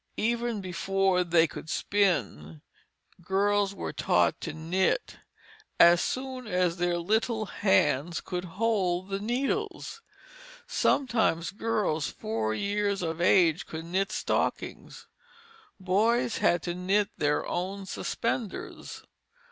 Even before they could spin girls were taught to knit, as soon as their little hands could hold the needles. Sometimes girls four years of age could knit stockings. Boys had to knit their own suspenders.